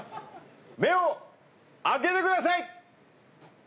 目を開けてください！